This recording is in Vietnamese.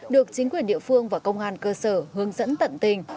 được chính quyền địa phương và công an cơ sở hướng dẫn tận tình